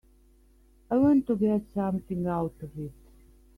I want to get something out of it.